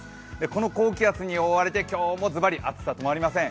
この高気圧に覆われて今日もずばり暑さ止まりません。